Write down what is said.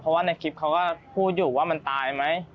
เพราะว่าในคลิปเขาก็พูดอยู่ว่ามันตายไหม